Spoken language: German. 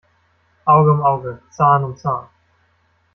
Auge um Auge, Zahn um Zahn.